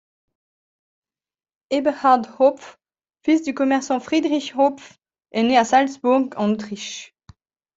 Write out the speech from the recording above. Eberhard Hopf, fils du commerçant Friedrich Hopf, est né à Salzbourg en Autriche.